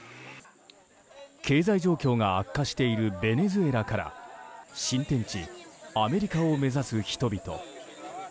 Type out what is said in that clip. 経済状況が悪化しているベネズエラから新天地アメリカを目指す人々。